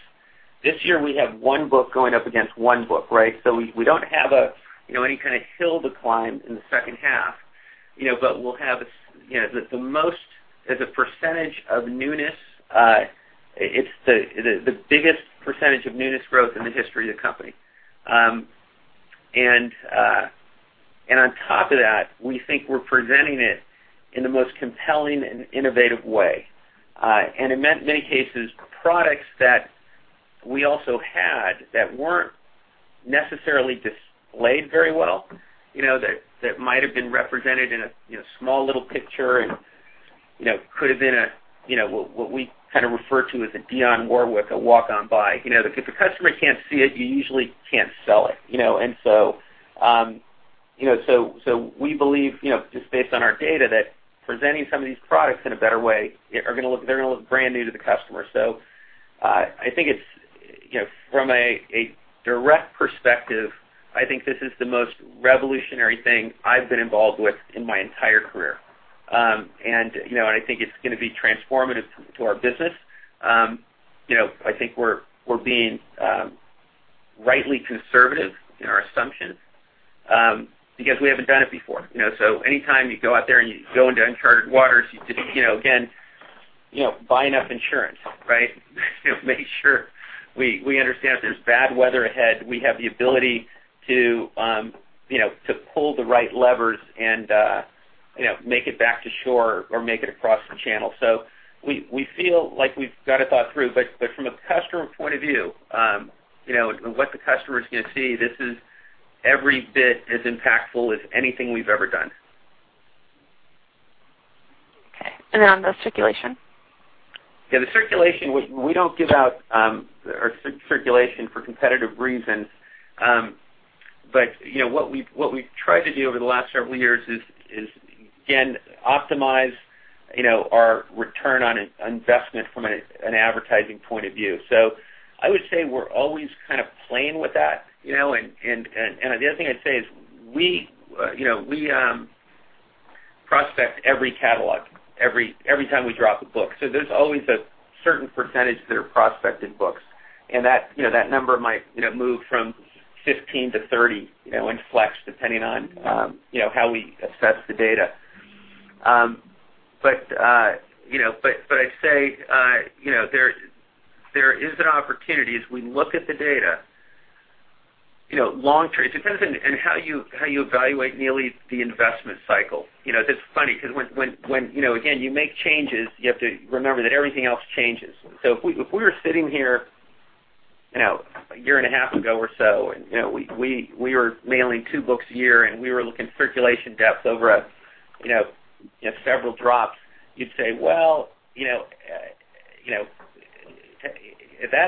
This year, we have one book going up against one book, right? We don't have any kind of hill to climb in the second half. We'll have the most as a percentage of newness. It's the biggest percentage of newness growth in the history of the company. On top of that, we think we're presenting it in the most compelling and innovative way. In many cases, products that we also had that weren't necessarily displayed very well, that might have been represented in a small little picture and could have been what we kind of refer to as a Dionne Warwick, a walk-on by. If a customer can't see it, you usually can't sell it. We believe, just based on our data, that presenting some of these products in a better way, they're going to look brand new to the customer. I think from a direct perspective, I think this is the most revolutionary thing I've been involved with in my entire career. I think it's going to be transformative to our business. I think we're being rightly conservative in our assumptions, because we haven't done it before. Anytime you go out there and you go into uncharted waters, you, again, buy enough insurance, right? Make sure we understand if there's bad weather ahead, we have the ability to pull the right levers and make it back to shore or make it across the channel. We feel like we've got it thought through. From a customer point of view, and what the customer is going to see, this is every bit as impactful as anything we've ever done. Okay. Then on the circulation? The circulation, we don't give out our circulation for competitive reasons. What we've tried to do over the last several years is, again, optimize our return on investment from an advertising point of view. I would say we're always kind of playing with that. The other thing I'd say is we prospect every catalog, every time we drop a book. There's always a certain percentage that are prospected books, and that number might move from 15 to 30 and flex depending on how we assess the data. I'd say there is an opportunity as we look at the data, long-term. It depends on how you evaluate, Neely Tamminga, the investment cycle. It's funny because when, again, you make changes, you have to remember that everything else changes. If we were sitting here a year and a half ago or so, we were mailing two books a year and we were looking at circulation depth over several drops, you'd say, "Well,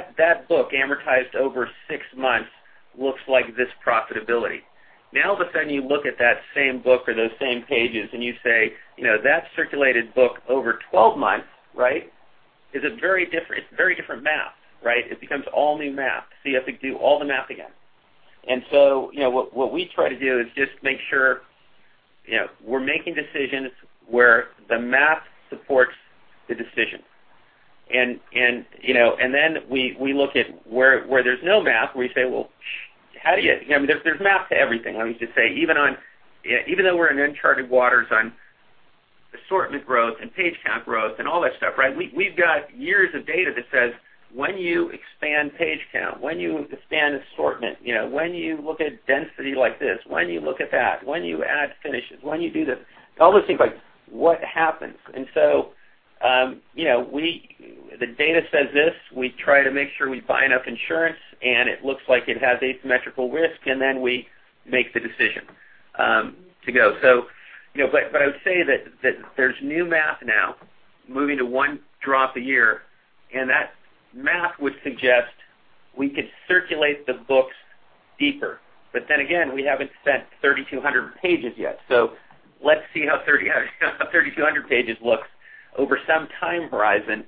that book amortized over 6 months." Looks like this profitability. All of a sudden, you look at that same book or those same pages and you say, "That circulated book over 12 months," right, is a very different math. Right? It becomes all new math, you have to do all the math again. What we try to do is just make sure we're making decisions where the math supports the decision. Then we look at where there's no math. There's math to everything, let me just say. Even though we're in uncharted waters on assortment growth and page count growth and all that stuff, right? We've got years of data that says when you expand page count, when you expand assortment, when you look at density like this, when you look at that, when you add finishes, when you do this, all those things, what happens? The data says this. We try to make sure we buy enough insurance, it looks like it has asymmetrical risk, then we make the decision to go. I would say that there's new math now moving to one drop a year, that math would suggest we could circulate the books deeper. Again, we haven't sent 3,200 pages yet. Let's see how 3,200 pages looks over some time horizon,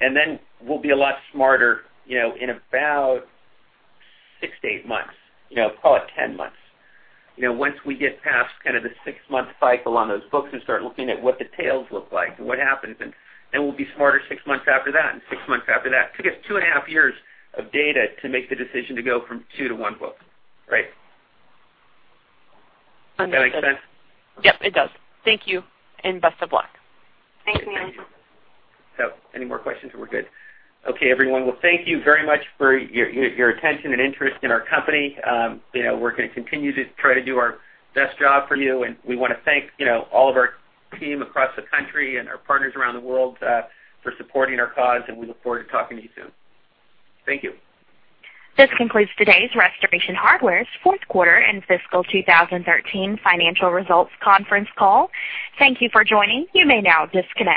and then we'll be a lot smarter in about 6 to 8 months, call it 10 months. Once we get past kind of the six-month cycle on those books and start looking at what the tails look like and what happens, we'll be smarter six months after that and six months after that. Took us two and a half years of data to make the decision to go from two to one book. Right. Understood. Does that make sense? Yep, it does. Thank you, and best of luck. Thank you. Any more questions, or we're good? Okay, everyone. Thank you very much for your attention and interest in our company. We're going to continue to try to do our best job for you, and we want to thank all of our team across the country and our partners around the world for supporting our cause, and we look forward to talking to you soon. Thank you. This concludes today's Restoration Hardware's fourth quarter and fiscal 2013 financial results conference call. Thank you for joining. You may now disconnect.